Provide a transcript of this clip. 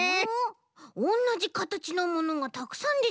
おんなじかたちのものがたくさんでてきたけど。